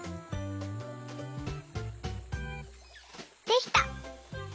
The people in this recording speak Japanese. できた！